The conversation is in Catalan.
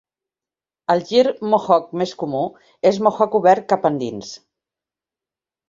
El gir mohawk més comú és mohawk obert cap endins.